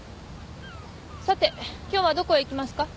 さて今日はどこへ行きますか？